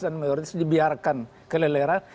dan mayoritas dibiarkan keleleran